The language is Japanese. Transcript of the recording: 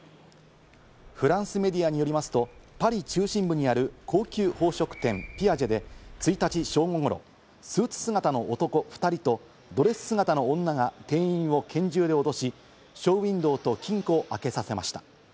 フランスメディアによりますと、パリ中心部にある高級宝飾店・ピアジェで１日正午ごろ、スーツ姿の男２人とドレス姿の女が店員を拳銃で脅し、ショーウインドーと金庫を開けさせました。